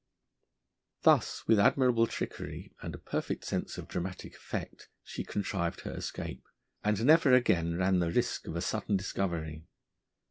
Thus with admirable trickery and a perfect sense of dramatic effect she contrived her escape, and never again ran the risk of a sudden discovery.